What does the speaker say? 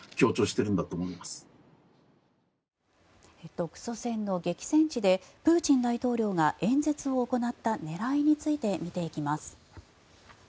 独ソ戦の激戦地でプーチン大統領が演説を行った狙いについて見ていきます。